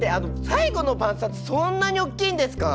「最後の晩餐」ってそんなにおっきいんですか！？